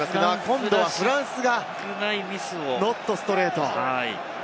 今度はフランスがノットストレート。